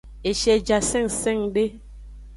Eshie ja sengsengde.